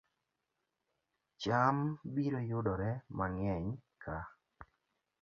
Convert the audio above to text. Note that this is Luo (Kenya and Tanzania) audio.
Cham biro yudore mang'eny ka